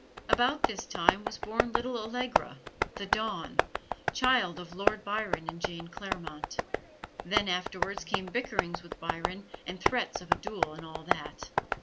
About this time was born little Allegra, "the Dawn," child of Lord Byron and Jane Clairmont. Then afterwards came bickerings with Byron and threats of a duel and all that.